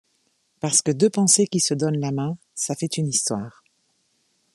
… parce que deux pensées qui se donnent la main, ça fait une histoire.